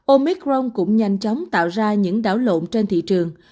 omicron cũng nhanh chóng tạo ra những đảo lộn trên thị trường